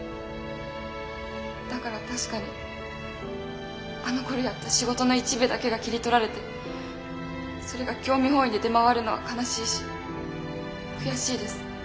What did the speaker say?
だから確かにあのころやった仕事の一部だけが切り取られてそれが興味本位で出回るのは悲しいし悔しいです。